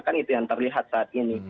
kan itu yang terlihat saat ini